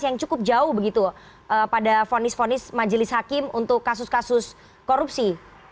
yang cukup jauh begitu pada fonis fonis majelis hakim untuk kasus kasus korupsi